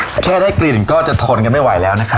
พี่กลมฮะจัดเต็มเลยนะคะแค่ได้กลิ่นก็จะทนกันไม่ไหวแล้วนะคะ